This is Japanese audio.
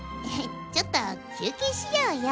ちょっと休けいしようよ。